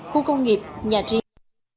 khu công nghiệp nhà riêng